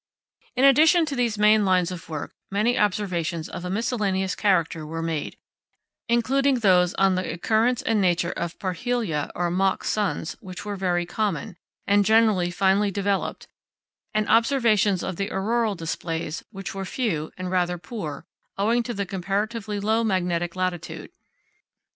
In addition to these main lines of work, many observations of a miscellaneous character were made, including those on the occurrence and nature of parhelia or "mock suns," which were very common, and generally finely developed, and observations of the auroral displays, which were few and rather poor owing to the comparatively low magnetic latitude.